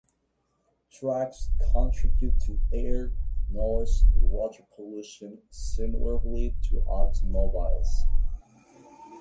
Trucks contribute to air, noise, and water pollution similarly to automobiles.